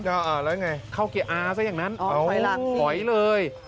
แล้วอย่างไรเข้าเกียร์อาซะอย่างนั้นอ๋อหอยล่ะหอยเลย